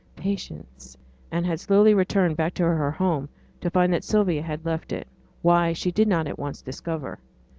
Patience!' and had slowly returned back to her home to find that Sylvia had left it, why she did not at once discover.